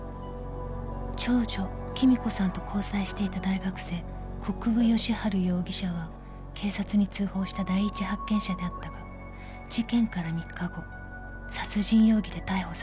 「長女貴美子さんと交際していた大学生国府吉春容疑者は警察に通報した第一発見者であったが事件から３日後殺人容疑で逮捕された」